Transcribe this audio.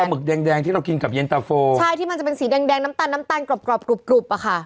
หมายถึงปลาหมึกแดงที่เรากินกับเย็นตาโฟใช่ที่มันจะเป็นสีแดงน้ำตาลน้ำตาลกรอบกรุบอะค่ะ